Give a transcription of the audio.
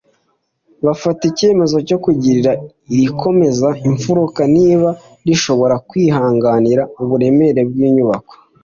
Bafata icyemezo cyo kurigira irikomeza imfuruka niba rishobora kwihanganira uburemere bw'inyubako.